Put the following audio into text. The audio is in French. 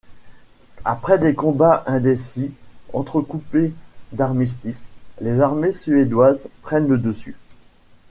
Après des combats indécis entrecoupés d'armistices, les armées suédoises prennent le dessus.